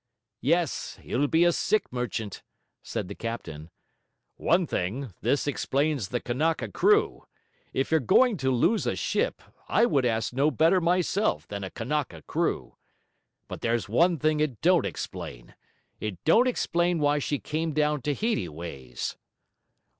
'Yes, he'll be a sick merchant,' said the captain. 'One thing: this explains the Kanaka crew. If you're going to lose a ship, I would ask no better myself than a Kanaka crew. But there's one thing it don't explain; it don't explain why she came down Tahiti ways.'